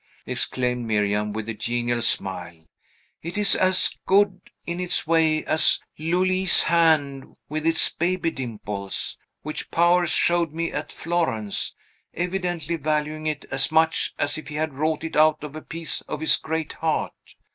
exclaimed Miriam, with a genial smile. "It is as good in its way as Loulie's hand with its baby dimples, which Powers showed me at Florence, evidently valuing it as much as if he had wrought it out of a piece of his great heart.